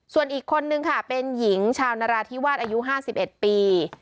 ส่วนอีกคนนึงค่ะเป็นหญิงชาวนราธิวาสอายุ๕๑ปี